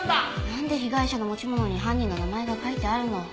なんで被害者の持ち物に犯人の名前が書いてあるの。